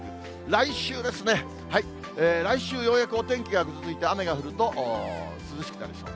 来週ですね、来週、ようやくお天気がぐずついて雨が降ると、涼しくなるでしょう。